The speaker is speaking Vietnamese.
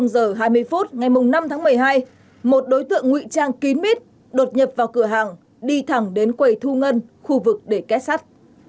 giờ hai mươi phút ngày năm tháng một mươi hai một đối tượng nguy trang kín mít đột nhập vào cửa hàng đi thẳng đến quầy thu ngân khu vực để két sắt